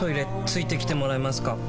付いてきてもらえますか？